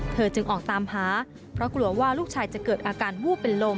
จึงออกตามหาเพราะกลัวว่าลูกชายจะเกิดอาการวูบเป็นลม